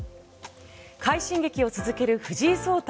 快進撃を続ける藤井聡太